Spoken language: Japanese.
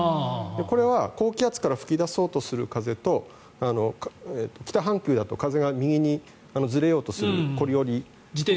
これは高気圧から吹き出そうとする風と北半球だと風が右にずれようとするコリオリ。